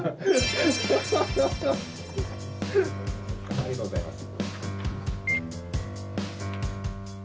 ありがとうございます。